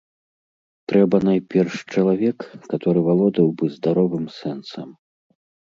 Трэба найперш чалавек, каторы валодаў бы здаровым сэнсам.